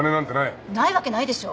ないわけないでしょ。